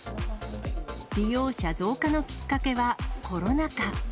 利用者増加のきっかけは、コロナ禍。